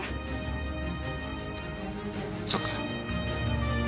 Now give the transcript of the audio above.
そっか。